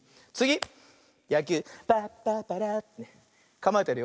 かまえてるよ。